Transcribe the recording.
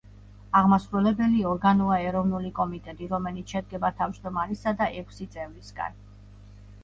აღმასრულებელი ორგანოა ეროვნული კომიტეტი, რომელიც შედგება თავმჯდომარისა და ექვსი წევრისგან.